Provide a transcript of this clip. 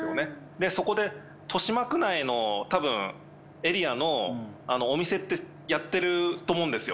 でそこで豊島区内のたぶんエリアのお店ってやってると思うんですよ